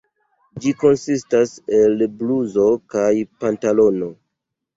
Ĝi konsistas el bluzo kaj pantalono.